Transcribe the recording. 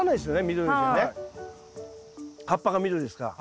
葉っぱが緑ですから。